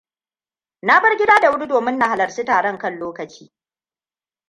Na bar gida da wuri domin na halarci taron kan lokaci.